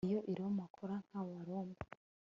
Iyo i Roma kora nkAbaroma